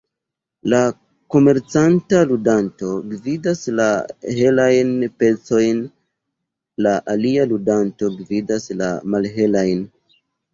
La komencanta ludanto gvidas la helajn pecojn, la alia ludanto gvidas la malhelajn.